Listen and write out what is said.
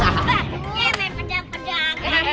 ya main pedang pedang